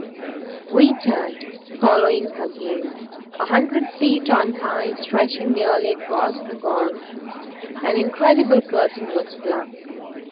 We turned, following her gaze. A hundred feet on high, stretching nearly across the gorge, an incredible curtain was flung.